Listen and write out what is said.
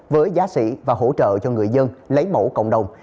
với giá sĩ và hỗ trợ cho người dân lấy mẫu cộng đồng